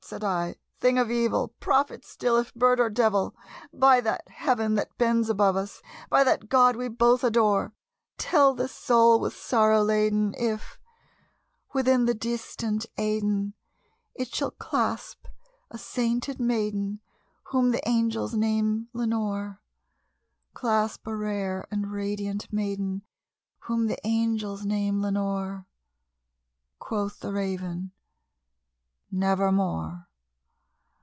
said I, "thing of evil! prophet still, if bird or devil! By that Heaven that bends above us by that God we both adore Tell this soul with sorrow laden if, within the distant Aidenn, It shall clasp a sainted maiden whom the angels name Lenore Clasp a rare and radiant maiden whom the angels name Lenore." Quoth the Raven, "Nevermore."